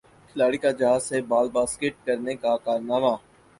کھلاڑی کا جہاز سے بال باسکٹ کرنے کا کارنامہ